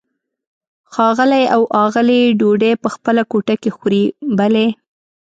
ښاغلی او آغلې ډوډۍ په خپله کوټه کې خوري؟ بلې.